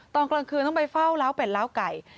ตอนกลางคืนต้องไปเฝ้าล้าวเป็ดล้าวไก่